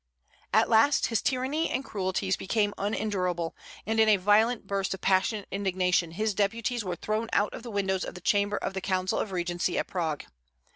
At last his tyranny and cruelties became unendurable, and in a violent burst of passionate indignation his deputies were thrown out of the windows of the chamber of the Council of Regency at Prague.